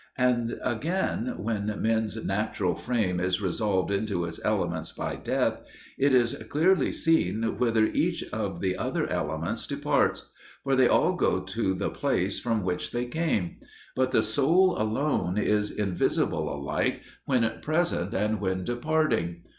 And again, when man's natural frame is resolved into its elements by death, it is clearly seen whither each of the other elements departs: for they all go to the place from which they came: but the soul alone is invisible alike when present and when departing.